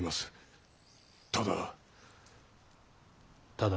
ただ。